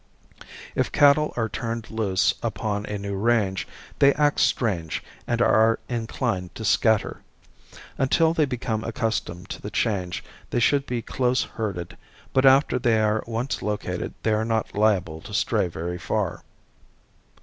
If cattle are turned loose upon a new range they act strange and are inclined to scatter. Until they become accustomed to the change they should be close herded, but after they are once located they are not liable to stray very far.